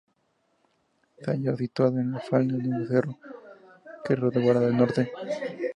Se halla situado en la falda de un cerro, que lo resguarda del Norte.